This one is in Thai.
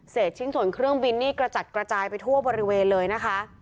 ชิ้นส่วนเครื่องบินนี่กระจัดกระจายไปทั่วบริเวณเลยนะคะ